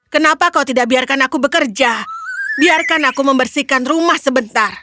kenapa kau tidak biarkan aku bekerja biarkan aku membersihkan rumah sebentar